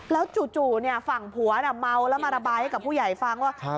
แล้วจู่ฝั่งผัวน่ะเมาแล้วมาระบายให้กับผู้ใหญ่ฟังว่า